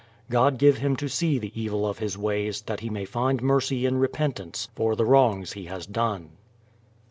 God give him to see the evil of his ways, that he may find mercy in repentance for the wrongs he has done.